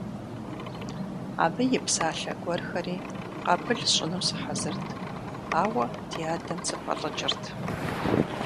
Абы и псалъэ гуэрхэри къабыл сщӀыну сыхьэзырт, ауэ ди адэм сыфӏэлӏыкӏырт.